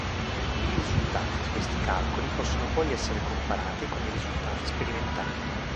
I risultati di questi calcoli possono poi essere comparati con i risultati sperimentali.